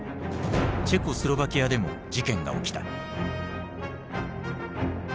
チェコスロバキアでも事件が起きた。